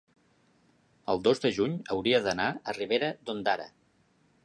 el dos de juny hauria d'anar a Ribera d'Ondara.